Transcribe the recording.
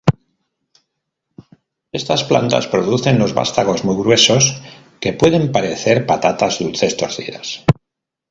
Estas plantas producen los vástagos muy gruesos que pueden parecer patatas dulces torcidas.